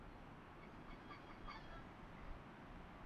奥费尔格内是德国下萨克森州的一个市镇。